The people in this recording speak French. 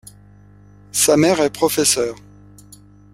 Sa mère est professeur.